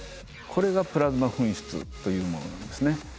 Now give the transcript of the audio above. これがプラズマ噴出というものなんですね。